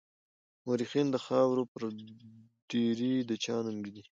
مورخين د خاورو پر ډېري د چا نوم ږدي.